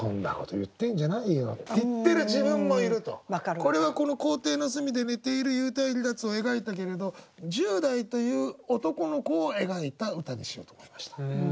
これは校庭の隅で寝ている幽体離脱を描いたけれど１０代という男の子を描いた歌にしようと思いました。